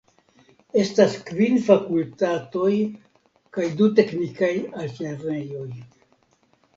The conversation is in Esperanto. Estas kvin fakultatoj kaj du teknikaj altlernejoj.